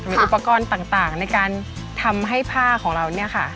มีอุปกรณ์ต่างในการทำให้ผ้าของเราเนี่ยค่ะ